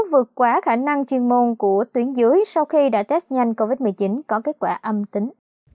vượt quá khả năng chuyên môn của tuyến dưới sau khi đã test nhanh covid một mươi chín có kết quả âm tính